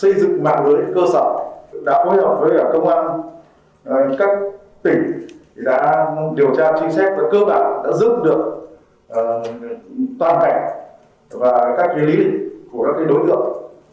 xây dựng mạng lưỡi cơ sở đã phối hợp với công an các tỉnh đã điều tra trinh sách và cơ bản đã giúp được toàn cảnh và các chế lý của các đối tượng